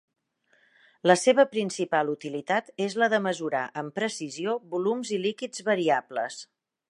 La seva principal utilitat és la de mesurar amb precisió volums i líquids variables.